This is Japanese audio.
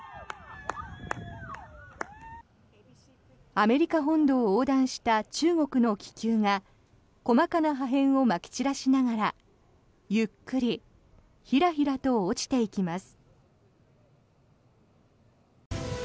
アメリカ本土を横断した中国の気球が細かな破片をまき散らしながらゆっくり、ひらひらと落ちていきます。